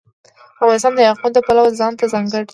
افغانستان د یاقوت د پلوه ځانته ځانګړتیا لري.